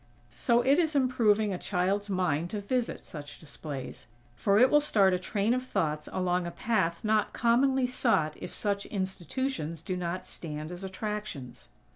So it is improving a child's mind to visit such displays; for it will start a train of thoughts along a path not commonly sought if such institutions do not stand as attractions.